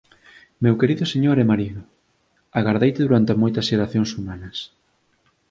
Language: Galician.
Meu querido señor e marido: agardeite durante moitas xeracións humanas.